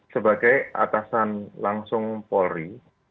sebagai atasan langsung polri